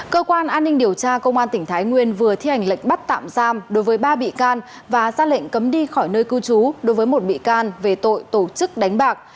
cơ quan an ninh điều tra công an tỉnh thái nguyên vừa thi hành lệnh bắt tạm giam đối với ba bị can và ra lệnh cấm đi khỏi nơi cư trú đối với một bị can về tội tổ chức đánh bạc